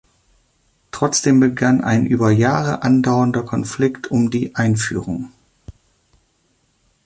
Trotzdem begann ein über Jahre andauernder Konflikt um die Einführung.